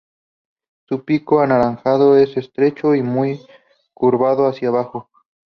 Su pico anaranjado es estrecho y muy curvado hacia abajo.